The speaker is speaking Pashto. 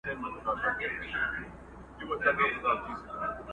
اوس پر څه دي جوړي کړي غلبلې دي،